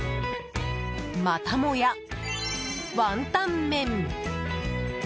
またもや、ワンタンメン。